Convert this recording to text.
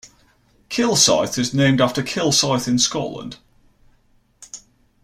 Kilsyth is named after Kilsyth in Scotland.